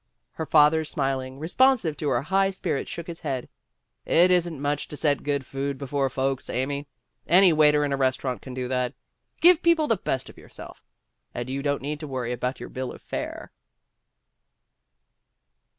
Her father smiling, responsive to her high spirits, shook his head. "It isn't much to set good food before folks, Amy. Any waiter in a restaurant can do that. Give people the best of yourself and you don't need to worry about your bill of fare."